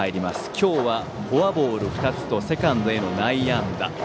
今日はフォアボール２つとセカンドへの内野安打。